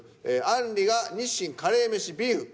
あんりが「日清カレーメシビーフ」。